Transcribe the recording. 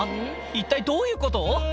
一体どういうこと？